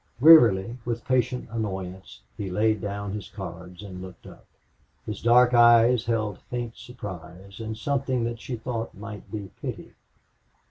Wearily, with patient annoyance, he laid down his cards and looked up. His dark eyes held faint surprise and something that she thought might be pity.